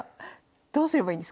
どうすればいいんですか？